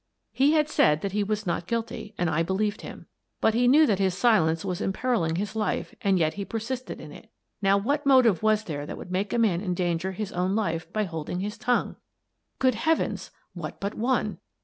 He had said that he was not guilty, and I be lieved him. But he knew that his silence was im periling his life, and yet he persisted in it. Now, what motive was there that would make a man endanger his own life by holding his tongue? Good Heavens ! What but one